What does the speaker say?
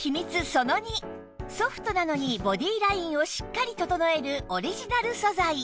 その２ソフトなのにボディーラインをしっかり整えるオリジナル素材